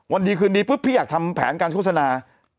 วันดีคืนดีปุ๊บพี่อยากทำแผนการโฆษณา